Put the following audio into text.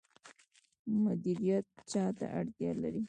مدیریت چا ته اړتیا لري؟